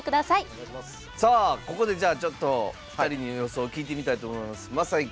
さあここでじゃあちょっと２人に予想を聞いてみたいと思います。